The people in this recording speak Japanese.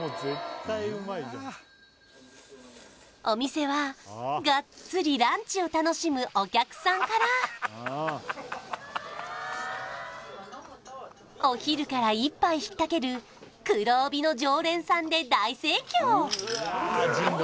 お店はがっつりランチを楽しむお客さんからお昼から一杯ひっかける黒帯の常連さんで大盛況！